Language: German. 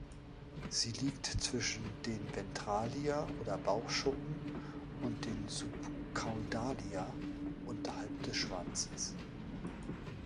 Sie liegt zwischen den Ventralia oder Bauchschuppen und den Subcaudalia unterhalb des Schwanzes.